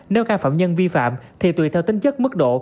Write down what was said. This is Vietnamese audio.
nếu cai phạm nhân vi phạm thì tùy theo tính chất mức độ